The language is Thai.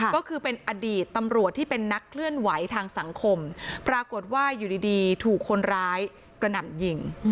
ก็คือเป็นอดีตตำรวจที่เป็นนักเคลื่อนไหวทางสังคมปรากฏว่าอยู่ดีถูกคนร้ายกระหน่ำยิง